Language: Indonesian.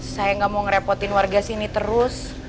saya nggak mau ngerepotin warga sini terus